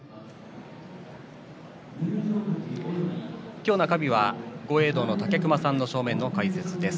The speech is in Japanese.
今日、中日は豪栄道の武隈さんの正面の解説です。